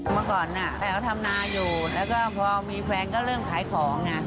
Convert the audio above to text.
เมื่อก่อนแอ๋วทำนาอยู่แล้วก็พอมีแฟนก็เริ่มขายของไง